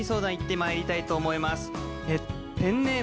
まいりたいと思います。